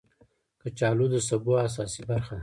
کچالو د سبو اساسي برخه ده